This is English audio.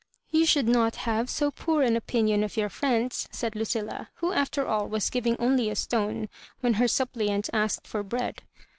" You should not have so poor an opinion of your friends,'* said Lucilla, who after all was giv ing only a stone when her suppliant asked for bread.